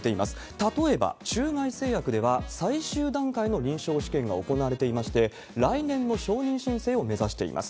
例えば、中外製薬では最終段階の臨床試験が行われていまして、来年の承認申請を目指しています。